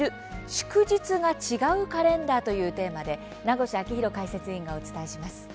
祝日が違うカレンダー」というテーマで名越章浩解説委員がお伝えします。